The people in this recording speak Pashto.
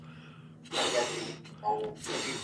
تعليم دوامداره بهير دی؛ ؛خو تدريس محدود وخت لري.